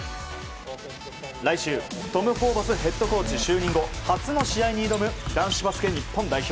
来週、トム・ホーバスヘッドコーチ就任後初の試合に挑む男子バスケ日本代表。